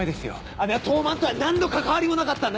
姉は東卍とは何の関わりもなかったんだから。